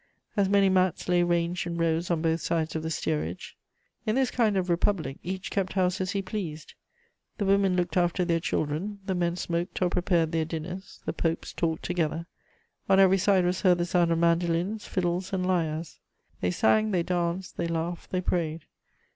As many mats lay ranged in rows on both sides of the steerage. In this kind of republic, each kept house as he pleased: the women looked after their children, the men smoked or prepared their dinners, the popes talked together. On every side was heard the sound of mandolines, fiddles and lyres. They sang, they danced, they laughed, they prayed.